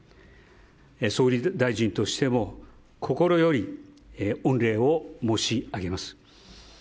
総理大臣としても心より御礼を申し上げます。